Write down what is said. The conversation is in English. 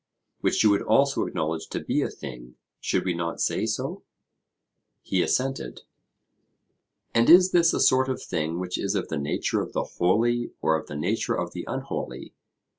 Which you would also acknowledge to be a thing should we not say so? He assented. 'And is this a sort of thing which is of the nature of the holy, or of the nature of the unholy?'